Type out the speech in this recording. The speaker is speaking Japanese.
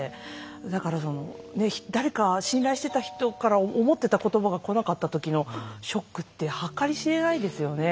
だから、誰か信頼していた人から思っていた言葉が来なかった時のショックって計り知れないですよね。